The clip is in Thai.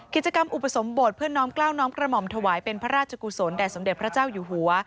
กิจกรรมอุปสมบทเพื่อน้อมกล้าวน้อมกระหม่อมถวายเป็นพระราชกุศลแด่สมเด็จพระเจ้าอยู่หัว